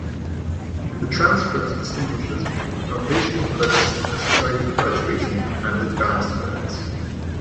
The transcript distinguishes between "foundational credits" necessary for graduation and "advanced credits".